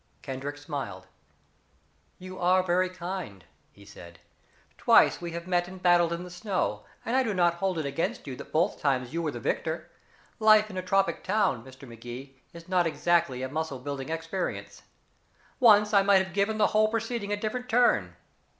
Kendrick smiled. "You are very kind," he said. "Twice we have met and battled in the snow, and I do not hold it against you that both times you were the victor. Life in a tropic town, Mr. Magee, is not exactly a muscle building experience. Once I might have given the whole proceeding a different turn.